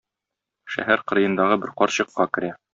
Шәһәр кырыендагы бер карчыкка керә.